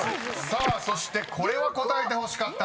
［さあそしてこれは答えてほしかった。